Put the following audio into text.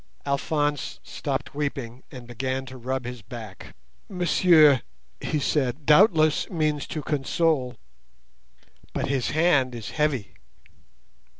Alphonse stopped weeping, and began to rub his back. "Monsieur," he said, "doubtless means to console, but his hand is heavy.